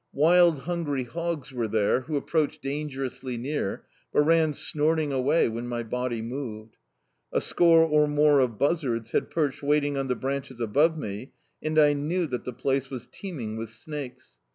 Wild hungry hogs were there, who approached dangerously near, but ran snort ing away when my body moved. A score or more of buzzards had perched waiting on the branches above me, and I knew that the place was teeming with snakes.